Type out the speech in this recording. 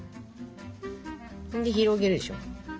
で広げるでしょ。